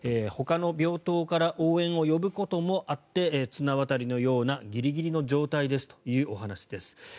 ほかの病棟から応援を呼ぶこともあって綱渡りのようなギリギリの状態ですというお話です。